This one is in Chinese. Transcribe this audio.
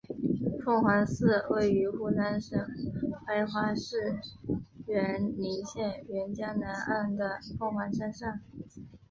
凤凰寺位于湖南省怀化市沅陵县沅江南岸的凤凰山上。